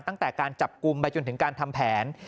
ตั้งแต่การจับกลุ่มไปจนถึงการทำแผน